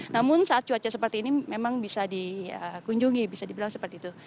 namun saat cuaca seperti ini memang bisa dikunjungi bisa dibilang seperti itu